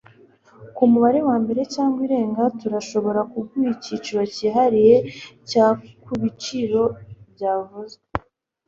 Ku mubare wa mbere cyangwa irenga turashobora kuguha igiciro cyihariye cya kubiciro byavuzwe